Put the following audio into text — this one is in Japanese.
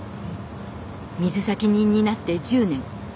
水先人になって１０年。